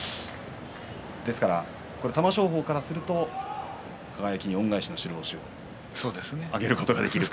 ですから玉正鳳からすると輝に恩返しの白星をということですね。